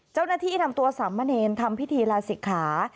เจ้าหน้าที่นำตัวสามเณรทำพิธีลาศิกขา